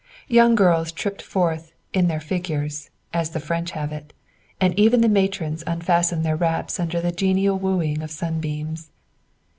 Young girls tripped forth "in their figures," as the French have it; and even the matrons unfastened their wraps under the genial wooing of sunbeams.